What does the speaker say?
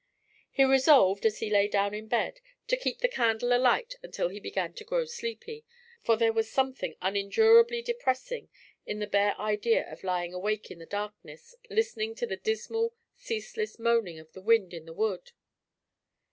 He resolved, as he lay down in bed, to keep the candle alight until he began to grow sleepy, for there was something unendurably depressing in the bare idea of lying awake in the darkness, listening to the dismal, ceaseless moaning of the wind in the wood.